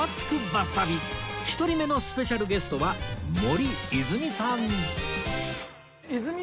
バス旅』１人目のスペシャルゲストは森泉さん